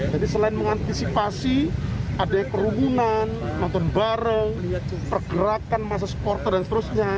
jadi selain mengantisipasi ade kerumunan nonton bareng pergerakan masa supporter dan seterusnya